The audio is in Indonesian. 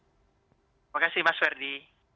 terima kasih mas verdi